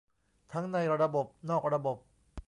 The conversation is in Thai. ทั้งในระบบนอกระบบ